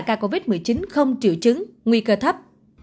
ca covid một mươi chín không triệu chứng nguy cơ thấp